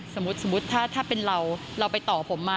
สมมุติถ้าเป็นเราเราไปต่อผมมา